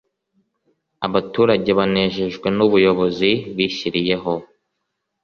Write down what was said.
abaturage banejejwe n' ubuyobozi bishyiriyeho